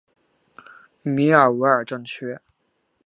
米尔维尔镇区。